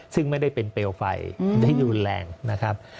ซึ่งไม่ได้เป็นเปลวไฟได้รุนแรงนะครับ